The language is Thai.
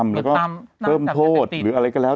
แล้วก็เพิ่มโทษหรืออะไรก็แล้ว